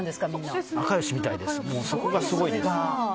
そこがすごいです。